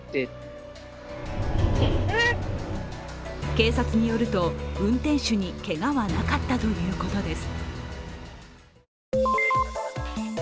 警察によると、運転手にけがはなかったということです。